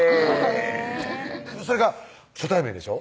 へぇそれが初対面でしょ？